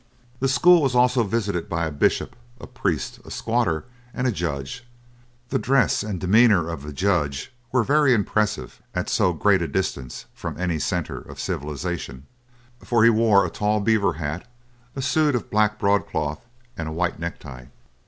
The school was also visited by a bishop, a priest, a squatter, and a judge. The dress and demeanour of the judge were very impressive at so great a distance from any centre of civilization, for he wore a tall beaver hat, a suit of black broadcloth, and a white necktie.